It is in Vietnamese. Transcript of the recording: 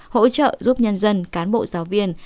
hỗ trợ giúp nhân dân cán bộ giáo viên